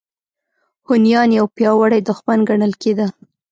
هونیان یو پیاوړی دښمن ګڼل کېده.